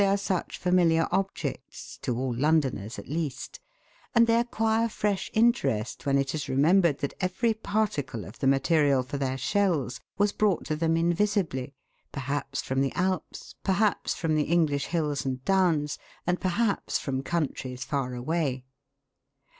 127 are such familiar objects, to all Londoners at least; and they acquire fresh interest when it is remembered that every particle of the material for their shells was brought to them invisibly, perhaps from the Alps, perhaps from the English hills and downs, and perhaps from countries far away.